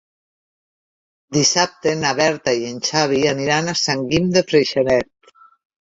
Dissabte na Berta i en Xavi aniran a Sant Guim de Freixenet.